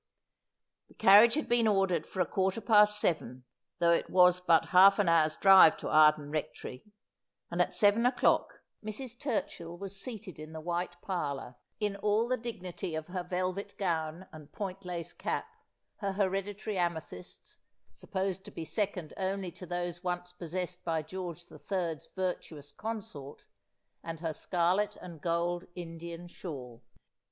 The carriage had been ordered for a quarter past seven, though it was but half an hour's drive to Arden Rectory, and at seven o'clock Mrs. Turchill was seated in the white parlour, in all the dignity of her velvet gown and point lace cap, her here ditary amethysts, supposed to be second only to those once possessed by George the Third's virtuous consort, and her scarlet and gold Indian shawl.